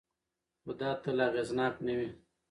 خو دا تل اغېزناک نه وي.